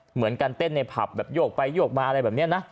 เหมือนกันเต้นในผับแบบโยกไปโยกมาอะไรแบบนี้นะ